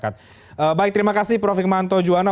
terima kasih prof hikmanto juwana